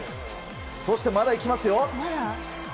そして、まだ行きますよ！